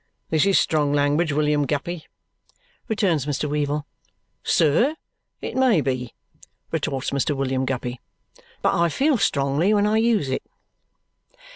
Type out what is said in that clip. "This is strong language, William Guppy," returns Mr. Weevle. "Sir, it may be," retorts Mr. William Guppy, "but I feel strongly when I use it."